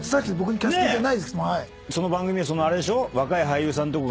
その番組はあれでしょ？